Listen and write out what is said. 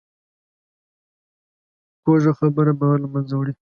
کوږه خبره باور له منځه وړي